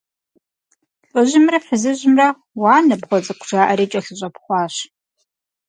ЛӀыжьымрэ фызыжьымрэ, «уа, ныбгъуэ цӀыкӀу!» жаӀэри, кӀэлъыщӀэпхъуащ.